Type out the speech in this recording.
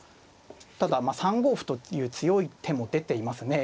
ただ３五歩という強い手も出ていますね。